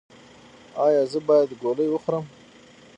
ایا زه باید ګولۍ وخورم؟